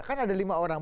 karena ada lima orang